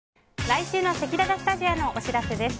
来週のせきららスタジオのお知らせです。